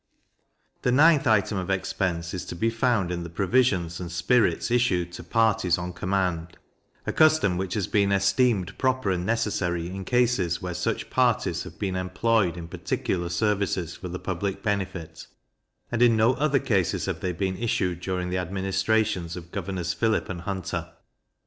The 9th item of expense is to be found in the provisions and spirits issued to parties on command; a custom which has been esteemed proper and necessary in cases where such parties have been employed in particular services for the public benefit, and in no other cases have they been issued during the administrations of governors Phillip and Hunter.